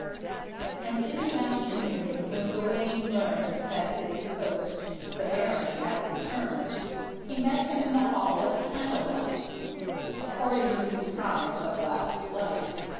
And in the afternoon, when Gawayne learned That his good host, the baron, had returned, He met him in the hall at candle light, According to his promise of last night.